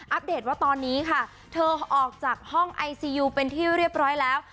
เดตว่าตอนนี้ค่ะเธอออกจากห้องไอซียูเป็นที่เรียบร้อยแล้ว